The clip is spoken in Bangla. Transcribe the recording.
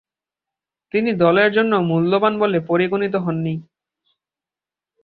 তিনি দলের জন্য মূল্যবান বলে পরিগণিত হননি।